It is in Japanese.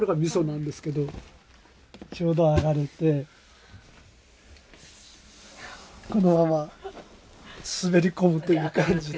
ちょうど上がれてこのまま滑り込むという感じで。